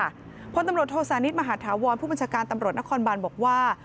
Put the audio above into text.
ตำรวจโทษานิทมหาธาวรผู้บัญชาการตำรวจนครบานบอกว่า